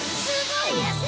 すごいや！